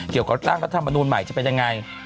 เกี่ยวกับร่างรัฐมนูลใหม่จะเป็นยังไง